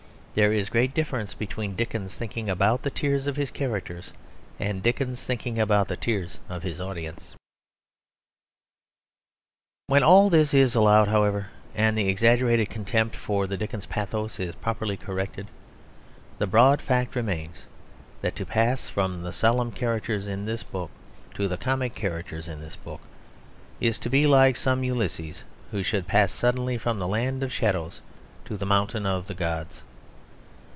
There is a great difference between Dickens thinking about the tears of his characters and Dickens thinking about the tears of his audience. When all this is allowed, however, and the exaggerated contempt for the Dickens pathos is properly corrected, the broad fact remains: that to pass from the solemn characters in this book to the comic characters in this book, is to be like some Ulysses who should pass suddenly from the land of shadows to the mountain of the gods.